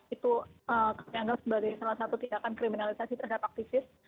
itu kami anggap sebagai salah satu tindakan kriminalisasi terhadap aktivis